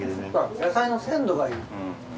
野菜の鮮度がいい。